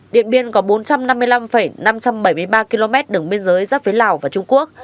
điện biên có bốn trăm năm mươi năm năm trăm bảy mươi ba km đường biên giới giáp với lào và trung quốc